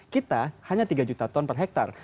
kita hanya tiga juta ton per hektare